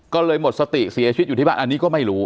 ก็เลยหมดสติเสียชีวิตอยู่ที่บ้านอันนี้ก็ไม่รู้